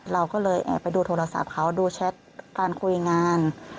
เราก็เลยแอบไปดูโทรศัพท์เขาดูแชทการคุยงาน